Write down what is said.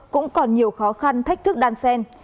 cũng còn nhiều khó khăn thách thức đan xen